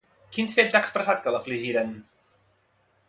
Quins fets ha expressat que l'afligiren?